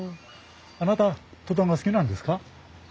あなたトタンが好きなんですか？